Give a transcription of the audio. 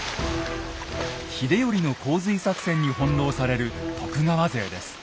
秀頼の洪水作戦に翻弄される徳川勢です。